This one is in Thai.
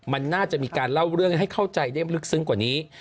มันน่าจะมีการเล่าเรื่องให้เข้าใจได้ลึกซึ้งกว่านี้